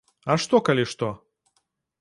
А што, калі што?